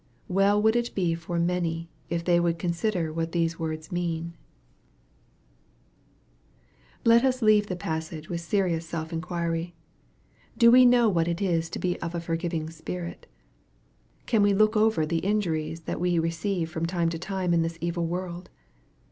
Well would it be for many, if they would consider what those words mean 1 Let us leave the passage with serious self inquiry. Do we know what it is to be of a forgiving spirit ? Can we look over the injuries that we receive from time to time in this evil world